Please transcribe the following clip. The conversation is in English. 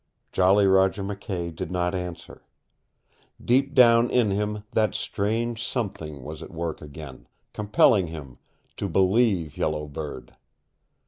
Jolly Roger McKay did not answer. Deep down in him that strange something was at work again, compelling him to believe Yellow Bird.